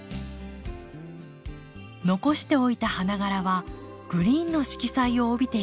残しておいた花がらはグリーンの色彩を帯びていきます。